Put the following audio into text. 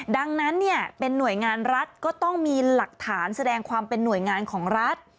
ดังนั้นเนี่ยเป็นหน่วยงานรัฐก็ต้องมีหลักฐานแสดงความเป็นหน่วยงานของรัฐ